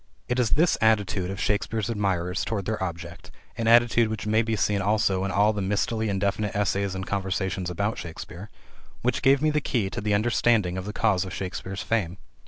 It is this attitude of Shakespeare's admirers toward their object an attitude which may be seen also in all the mistily indefinite essays and conversations about Shakespeare which gave me the key to the understanding of the cause of Shakespeare's fame.